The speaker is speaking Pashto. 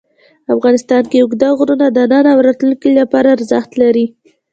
افغانستان کې اوږده غرونه د نن او راتلونکي لپاره ارزښت لري.